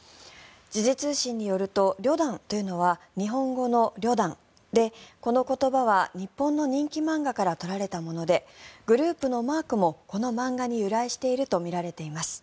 時事通信によるとリョダンというのは日本語の旅団でこの言葉は日本の人気漫画から取られたものでグループのマークもこの漫画に由来しているとみられています。